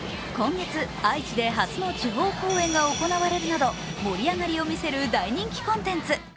今月、愛知で初の地方公演が行われるなど、盛り上がりを見せる大人気コンテンツ。